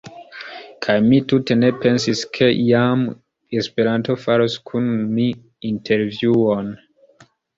Kaj mi tute ne pensis ke iam Esperanto faros kun mi intervjuon.